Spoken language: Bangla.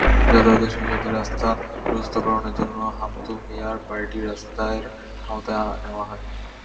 যাতায়াতের সুবিধার্থে রাস্তা প্রশস্তকরণের জন্য হামদু মিয়ার বাড়িটি রাস্তার আওতায় নেওয়া হয়।